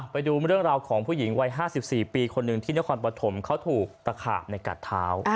ไปดูเรื่องราวของผู้หญิงวัย๕๔ปีคนหนึ่งที่นครปฐมเขาถูกตะขาบในกัดเท้า